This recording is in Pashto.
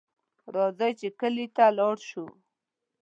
راځئ چې کلي ته لاړ شو